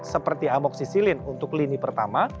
seperti amoksisilin untuk lini pertama